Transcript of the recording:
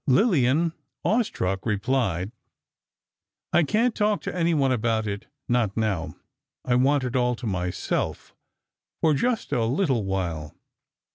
Lillian, awe struck, replied: I can't talk to anyone about it, not now. I want it all to myself for just a little while....